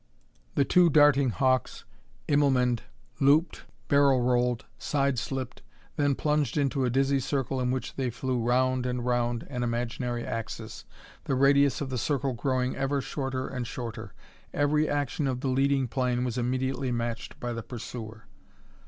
The two darting hawks Immelmanned, looped, barrel rolled, side slipped, and then plunged into a dizzy circle in which they flew round and round an imaginary axis, the radius of the circle growing ever shorter and shorter. Every action of the leading plane was immediately matched by the pursuer.